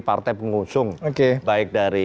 partai pengusung baik dari